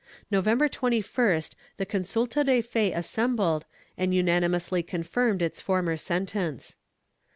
November 21st the consulta de fe assembled and unanimously confirmed its former sentence.